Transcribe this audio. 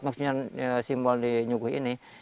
maksudnya simbol di nyuguh ini